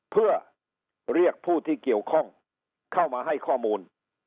เพื่อเรียกผู้ที่เกี่ยวข้องเข้ามาให้ข้อมูล